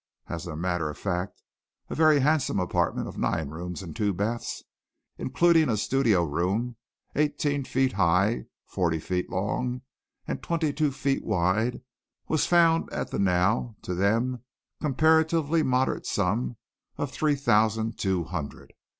As a matter of fact, a very handsome apartment of nine rooms and two baths including a studio room eighteen feet high, forty feet long and twenty two feet wide was found at the now, to them, comparatively moderate sum of three thousand two hundred.